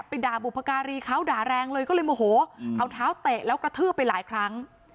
ด่าบุพการีเขาด่าแรงเลยก็เลยโมโหเอาเท้าเตะแล้วกระทืบไปหลายครั้ง